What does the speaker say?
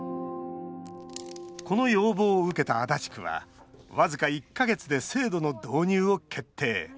この要望を受けた足立区は僅か１か月で制度の導入を決定。